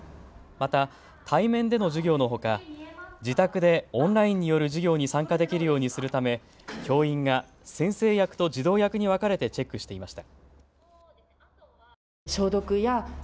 また対面での授業のほか自宅でオンラインによる授業に参加できるようにするため教員が先生役と児童役に分かれてチェックしていました。